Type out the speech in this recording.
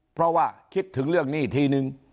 เพราะว่าคิดถึงเรื่องหนี้ทีนึง